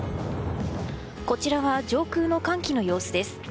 こちらは上空の寒気の様子です。